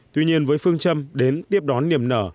tuy nhiên với phương châm đến tiếp đón niềm nở